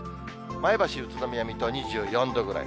前橋、宇都宮、水戸２４度ぐらい。